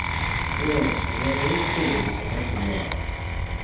Ur ɣseɣ ara akk ad alseɣ ad k-ẓreɣ.